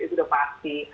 itu udah pasti